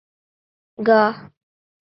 گا